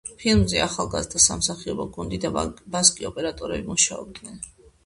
ფილმზე ახალგაზრდა სამსახიობო გუნდი და ბასკი ოპერატორები მუშაობდნენ.